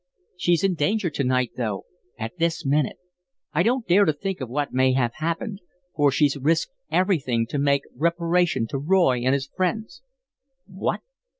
She's in danger to night, though at this minute. I don't dare to think of what may have happened, for she's risked everything to make reparation to Roy and his friends." "What?"